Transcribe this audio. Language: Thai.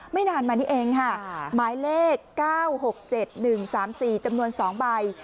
นานมานี้เองค่ะหมายเลข๙๖๗๑๓๔จำนวน๒ใบ